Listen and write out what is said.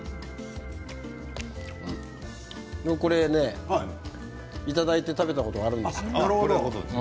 これね、いただいて食べたことがあるんですよ。